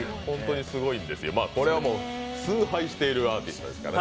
これは崇拝しているアーティストですからね。